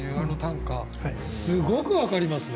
すごく分かりますね。